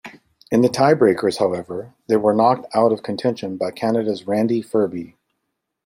In the tie-breakers however, they were knocked out of contention by Canada's Randy Ferbey.